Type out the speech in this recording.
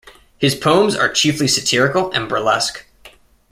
His poems are chiefly satirical and burlesque.